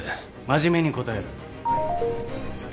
真面目に答えろよ。